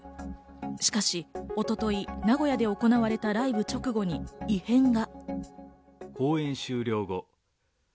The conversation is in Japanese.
しかし一昨日、名古屋で行われたライブ直後に異変が。